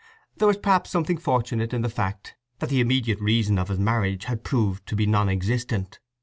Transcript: There was perhaps something fortunate in the fact that the immediate reason of his marriage had proved to be non existent.